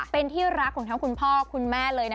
เป็นที่รักของทั้งคุณพ่อคุณแม่เลยนะ